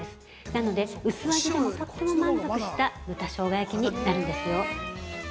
なので、薄味でもとっても満足した豚しょうが焼きになるんですよ。